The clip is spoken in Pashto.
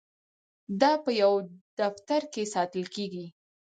دا په یو دفتر کې ساتل کیږي.